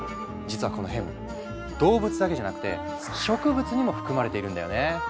実はこのヘム動物だけじゃなくて植物にも含まれているんだよね。